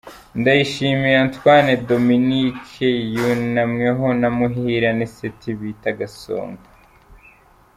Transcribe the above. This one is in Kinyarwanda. Ndayishimiye Antoine Dominique yunamweho na Muhire Anicet bita Gasongo